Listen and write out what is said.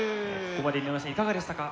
ここまで井上さんいかがでしたか？